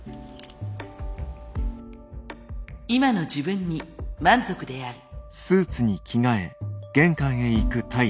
今の自分に満足である。